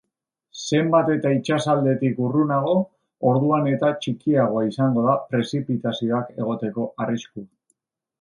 Zenbat eta itsasaldetik urrunago, orduan eta txikiagoa izango da prezipitazioak egoteko arriskua.